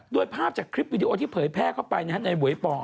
โดยภาพจากคลิปวิดีโอที่เผยแพร่เข้าไปในหวยป่อ